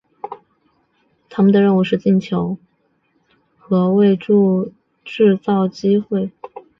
他们的任务是进球和为柱趸制造机会。